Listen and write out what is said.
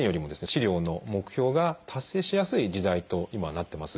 治療の目標が達成しやすい時代と今はなってます。